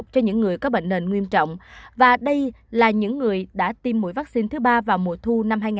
cho những người có bệnh nền nguyên trọng và đây là những người đã tiêm mũi vắc xin thứ ba vào mùa thu hai nghìn hai mươi một